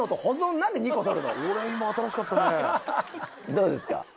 どうですか？